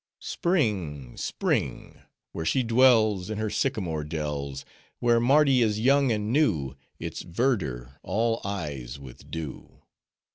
Spring! Spring! where she dwells, In her sycamore dells, Where Mardi is young and new: Its verdure all eyes with dew.